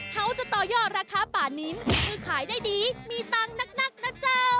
เขาจะต่อยอดราคาป่านิ้มที่ขายได้ดีมีตังค์นักนะเจ้า